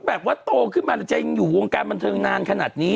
แบบว่าโตขึ้นมาจะยังอยู่วงการบันเทิงนานขนาดนี้